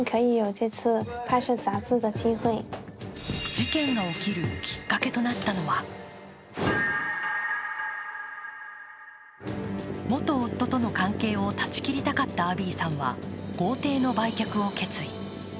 事件が起きるきっかけとなったのは元夫との関係を断ち切りたかったアビーさんは豪邸の売却を決意。